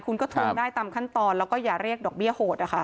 คุณก็ทวงได้ตามขั้นตอนแล้วก็อย่าเรียกดอกเบี้ยโหด